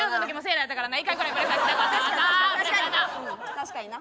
確かにな！